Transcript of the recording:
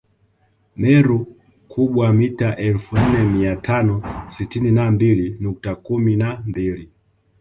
Meru Kubwa mita elfu nne mia tano sitini na mbili nukta kumi na mbili